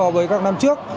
với các năm trước